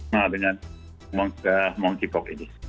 nah dengan monkey pock ini